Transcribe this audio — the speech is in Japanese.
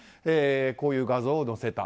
こういう画像を載せた。